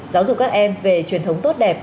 giáo dục các em về truyền thống tốt đẹp